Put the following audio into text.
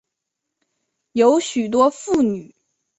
有许多妇女